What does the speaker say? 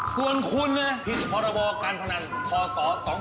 ส่วนคุณผิดพรบการพนันพศ๒๕๖